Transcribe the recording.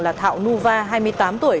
là thạo nu va hai mươi tám tuổi